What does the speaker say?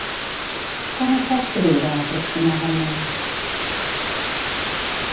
Quan es va escriure, aproximadament?